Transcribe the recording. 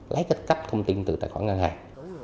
lấy cái cấp thông tin từ tài khoản ngân hàng